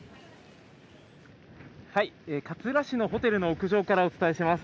勝浦市のホテルの屋上からお伝えします。